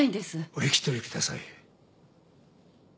お引き取りください。